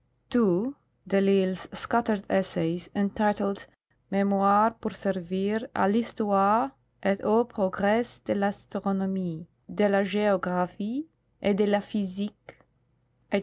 De I'Isle's scattered essays, entitled " Memoires pour servir a I'histoire et au progres de I'Astronomie, de la Geographic, et de la Physique, etc.